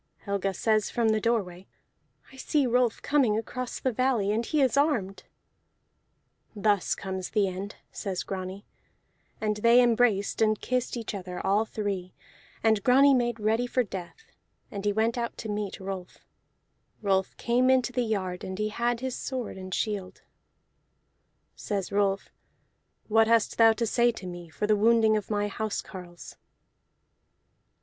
Helga says from the doorway: "I see Rolf coming across the valley, and he is armed." "Thus comes the end," says Grani, and they embraced and kissed each other all three, and Grani made ready for death, and he went out to meet Rolf. Rolf came into the yard, and he had his sword and shield. Says Rolf: "What hast thou to say to me for the wounding of my house carles?"